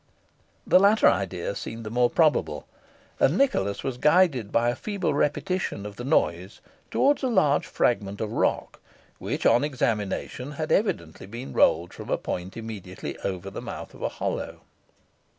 The latter idea seemed the more probable, and Nicholas was guided by a feeble repetition of the noise towards a large fragment of rock, which, on examination, had evidently been rolled from a point immediately over the mouth of a hollow.